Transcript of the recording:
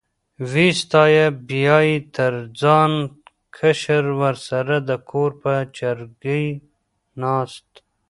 وې ستایه، بیا یې تر ځانه کشر ورسره د کور په چرګۍ ناست.